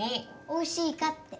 おいしいかって。